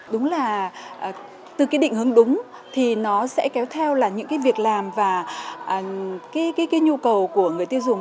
đúng là từ cái định hướng đúng thì nó sẽ kéo theo là những cái việc làm và cái nhu cầu của người tiêu dùng